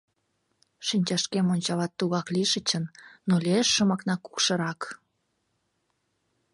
Шинчашкем ончалат тугак лишычын, Но лиеш шомакна кукшырак.